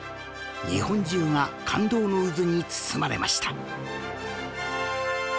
日本中が感動の渦に包まれました